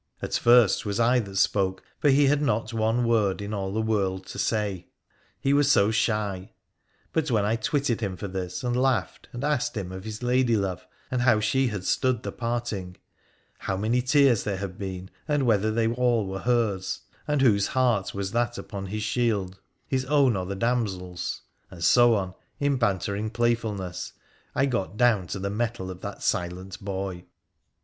At first 'twas I that spoke, for he had not one word in all the world to say — he was so shy. But when I twitted him for this, and laughed, and asked him of his lady love, and how she had stood the parting — how many tears there had been, and whether they all were hers ; and whose heart was that upon his shield, his own or the damsel's ; and so on, in bantering playfulness, I got down to the metal of that silent boy.